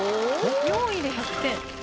・・４位で１００点？